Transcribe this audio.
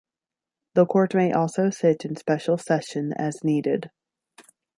The Court may also sit in special session as needed.